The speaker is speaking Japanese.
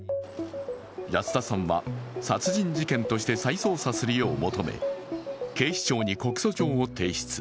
安田さんは殺人事件として再捜査するよう求め、警視庁に告訴状を提出。